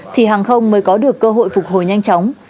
thì hàng không mới có được cơ hội phục hồi nhanh chóng